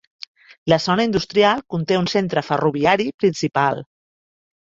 La zona industrial conté un centre ferroviari principal.